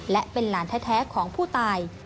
และเป็นหลานแท้ของผู้ตาย